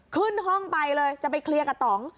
ขึ้นห้องไปเลยจะไปเคลียร์กับต่อง